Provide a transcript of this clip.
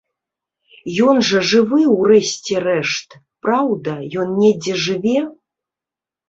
Ён жа жывы, у рэшце рэшт, праўда, ён недзе жыве?